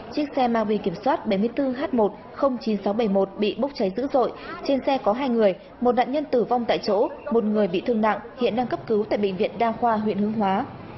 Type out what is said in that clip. chiếc xe mang bì kiểm soát bảy mươi bốn h một chín nghìn sáu trăm bảy mươi một bị bốc cháy dữ dội trên xe có hai người một nạn nhân tử vong tại chỗ một người bị thương nặng hiện đang cấp cứu tại bệnh viện đa khoa huyện hương hóa